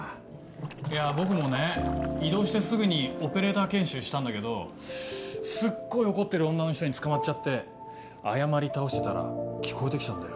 いや僕もね異動してすぐにオペレーター研修したんだけどすっごい怒ってる女の人につかまっちゃって謝り倒してたら聞こえて来たんだよ